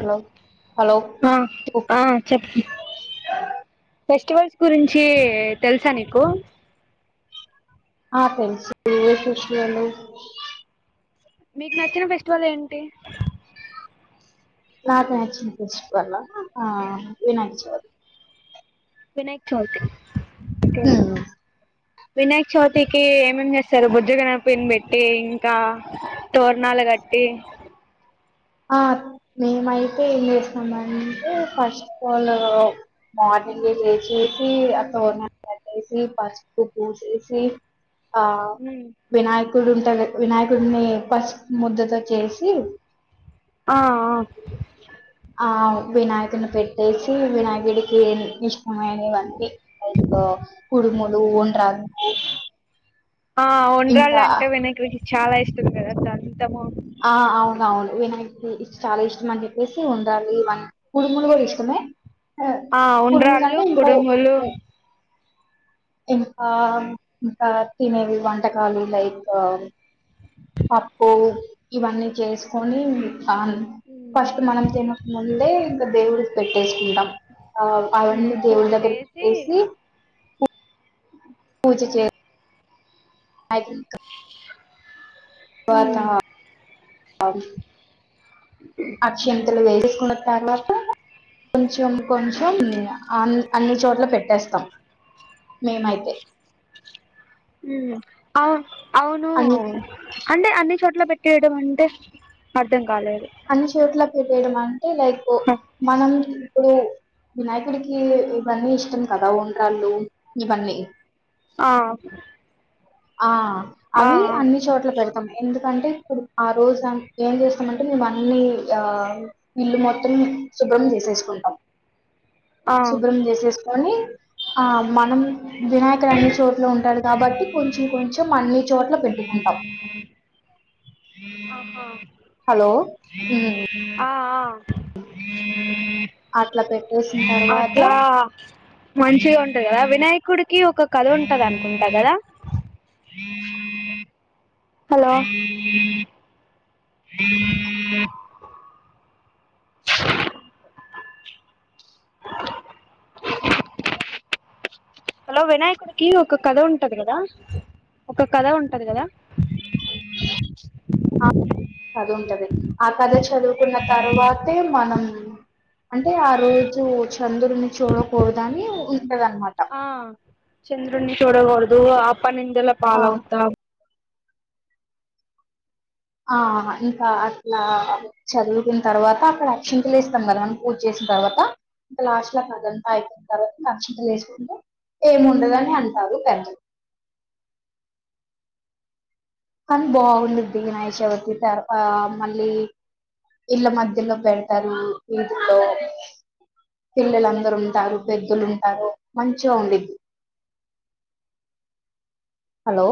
hello hello ఆ ఆ చెప్ప ఫెస్టివల్ గురించి తెలుసా నీకు ఆ తెలుసు ఏ సషలో మీకు నచ్చిన ఫెస్టివల్ ఏంటి ట్టే నా చేసిపోర్ాల వినాయక చవితి వినాయక్ చవితి ఉమ్ వినాయక్ చవితికి ఏమ్ ఏమ్ చేస్తారు బొజ్జగణపయ్య ని పెట్టి ఇంకా తోరణాలు కట్టి ఆ మేమైతే ఏం చేస్తామంటే ఫస్ట్ఫ్ ఆల్ మార్నింగ్ చేసేసి ఆ తోన కట్టేసి పసుపు పూసేసి ఆ ఉమ్, వినాయ డు ఉంటారు వినాయకుడిని పసుపు ముద్దతో చేసి ఆ ఆ వినాయకుని పెట్టేసి వినాయకుడికి సమయానే అంతే తో కుడుములు ఊండ్రులు ఈ ఆ ఒటేళ్ళు అంటే వెనక్ విజ చాలా ఇస్తుంది కదా అ అంతము ఆ అవునవును వినయక్కి చాలా ఇష్టం అని చెప్పేసి ఉండ్రాలుల ఇలా కుడుంగులు కూడా ఉ- ఇష్టమే ఆ ఉండ్రాళ్ళు కుడుంగులుంటే ఇప్పు కుడుములు ఇంకా ఇంకా తినేవి వంటకాలు లైక్ పప్పు ఇవన్నీ చేసుకొని ను ఫస్ట్ మనం తినకముందే ఇంకా దేవుడికి పెట్టేసుకుంటాం ఆ అవన్నీ ఉమ్, దేవుడి దగ్గర పెట్టేసి అ పూజ చే వో ఉమ్ అరుష్ అక్షింతలు వేరసి కొణతలకు కొంచెం కొంచెం అన్ అన్ని చోట్ల పెట్టేస్తాం మేమైతే ఉమ్ అ అవును అన్ని అంటే అన్ని చోట్ పట్టెయడం అంటే అడ్డం అన్ని చోట్లకు ఏడమాన్ అంటే లైకో మనం ఇప్పుడు వినాయకుడికి ఇవన్నీ ఇష్టం కదా ఉండ్రాళ్ళు ఇవన్నీ ఆహ్ ఆహ్ అవి అన్ని చోట్లా పెడతాం ఎందుకు ఎందుకంటే ఇప్పుడు ఆ రోజు అంటే ఏం చేస్తామంటే మేము అన్నీ ఆ ఇల్లు మొత్తం శుభ్రం చేసేసుకుంటాం ఆ శుభ్రం జైసేస్ అనీ ఆ మనం వినాయకుడు అన్ని చోట్లా ఉంటాడు కాబట్టి గురించి కొంచెం అన్ని చోట్ల పెట్టుకుంటాం హలో ఆహ్ ఉమ్, ఆ ఆహ్ అట్లా పె అట్లా మంచిగా ఉంటంది కదా వినాయకుడికి ఒక కథ ఉంటంది అనుకుంటా కదా హలో అ [inaudible] హలో వినాయకుడికి ఒక కథ ఉంటది కదా ఒక కథ ఉంటది కదా [unintelligible] అ కథ చదువుకున్న తరువాతే మనం అంటే ఆ రోజు చంద్రుడిని చూడకూడదు అని ఉంటాదనమాట దూఆప్ పనింందలా పాాల ఉత ఆ ఇంకా అట్లా చదువుకున్న తర్వాత అక్కడ అక్షంతలు వేస్తాం కదా మనం పూజ చేసిన తర్వాత ఇంకా లాస్ట్ లో అదంతా అయిపోయిన తర్వాత అక్షింతలు వేసుకుంటే ఏమిండదని అంటారు పెద్దలు కానీ బాగుంది వినశవతి తర్వా మళ్ళీ ఇళ్ల మధ్యలో పెడతారు వటిలో పిల్లలుందరుూ ఉంటారు పెద్దలు ఉంటారు మంచిగా ఉంద్ది హలో